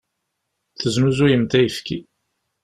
Teznuzayemt ayefki.